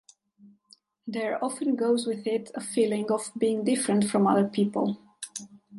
There often goes with it a feeling of being different from other people.